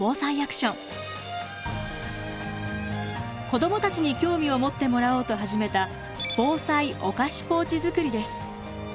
子どもたちに興味を持ってもらおうと始めた「防災おかしポーチ作り」です。